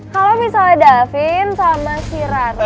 kalo misalnya devin sama si rara